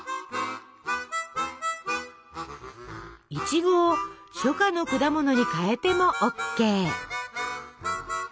いちごを初夏の果物に変えてもＯＫ。